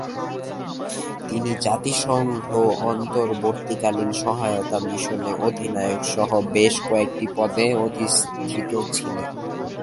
তিনি জাতিসংঘ অন্তর্বর্তীকালীন সহায়তা মিশনে অধিনায়ক সহ বেশ কয়েকটি পদে অধিষ্ঠিত ছিলেন।